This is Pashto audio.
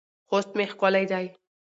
خوست مې ښکلی دی